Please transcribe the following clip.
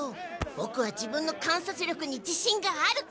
ボクは自分の観察力にじしんがある！